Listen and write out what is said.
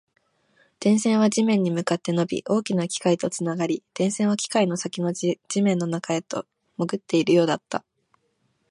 電線は地面に向かって伸び、大きな機械とつながり、電線は機械の先の地面の中へと潜っているようだった